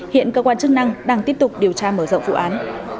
hiện cơ quan chức năng đang tiếp tục điều tra mở rộng vụ án